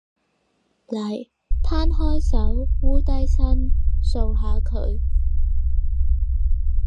嚟，攤開手，摀低身，掃下佢